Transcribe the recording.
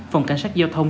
phòng cảnh sát giao thông